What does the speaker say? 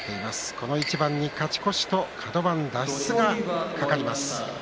この一番に勝ち越しとカド番脱出が懸かります。